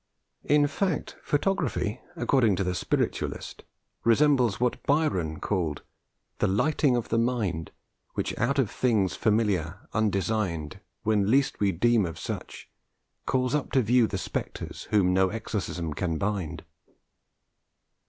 In fact, photography, according to the spiritualist, resembles what Byron called— The lightning of the mind, Which out of things familiar, undesigned, When least we deem of such, calls up to view The spectres whom no exorcism can bind.